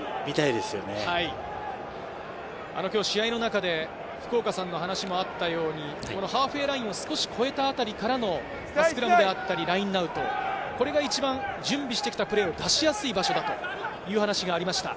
今日、試合の中で福岡さんの話もあったようにハーフウエーラインを少し越えたラインからのスクラムだったりラインアウト、これが一番準備してきたプレーを出しやすい場所だという話がありました。